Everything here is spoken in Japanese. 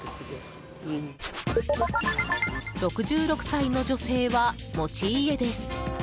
６６歳の女性は持ち家です。